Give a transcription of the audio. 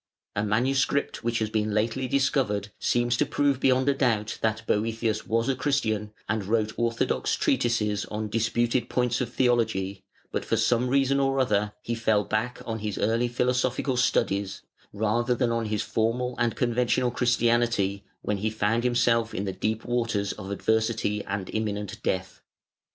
A manuscript which has been lately discovered seems to prove beyond a doubt that Boëthius was a Christian, and wrote orthodox treatises on disputed points of theology; but for some reason or other he fell back on his early philosophical studies, rather than on his formal and conventional Christianity, when he found himself in the deep waters of adversity and imminent death.